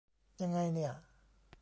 ยังไงเนี่ย